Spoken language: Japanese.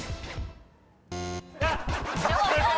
あっ！